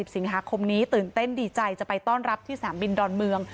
สิงหาคมนี้ตื่นเต้นดีใจจะไปต้อนรับที่สนามบินดอนเมือง